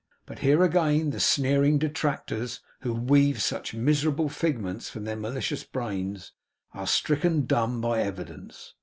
But here again the sneering detractors who weave such miserable figments from their malicious brains, are stricken dumb by evidence.